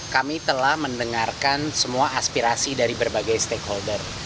kami telah mendengarkan semua aspirasi dari berbagai stakeholder